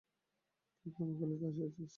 তুই কি আমাকে লইতে আসিয়াছিস?